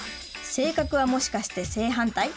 性格は、もしかして正反対？